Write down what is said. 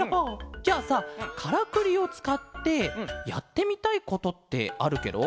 じゃあさカラクリをつかってやってみたいことってあるケロ？